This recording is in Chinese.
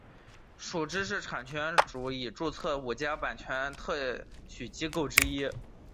属知识产权署已注册的五家版权特许机构之一。